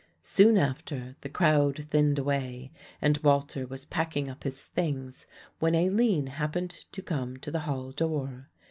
Soon after, the crowd thinned away and Walter was packing up his things, when Aline happened to come to the hall door.